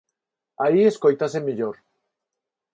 Aí escóitase mellor.